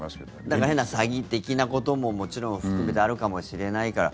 なんか変な詐欺的なことももちろん含めてあるかもしれないから。